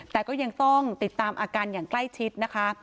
แต่ก็ยังต้องติดตามอาการอย่างใกล้ชิดนะคะ